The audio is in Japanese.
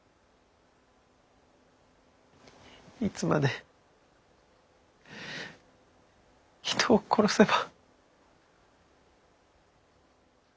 いつまで人を殺せば。